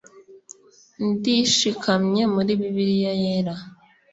dushikamye muri bibiliya yera